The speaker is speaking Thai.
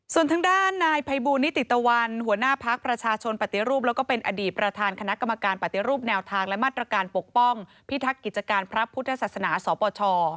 ส่วนทางด้านนายภัยบูลนิติตะวันหัวหน้าพักประชาชนปฏิรูปแล้วก็เป็นอดีตประธานคณะกรรมการปฏิรูปแนวทางและมาตรการปกป้องพิทักษ์กิจการพระพุทธศาสนาสปช